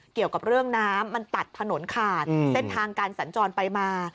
เกี่ยวกับเรื่องน้ำมันตัดถนนขาดเส้นทางการสัญจรไปมา